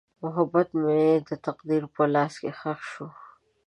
محبت مې د تقدیر په لاس ښخ شو.